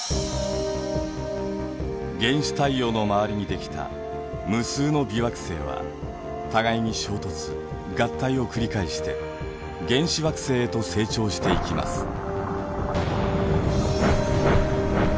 原始太陽の周りにできた無数の微惑星は互いに衝突・合体を繰り返して原始惑星へと成長していきます。